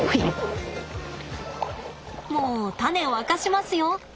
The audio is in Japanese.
もうタネを明かしますよ！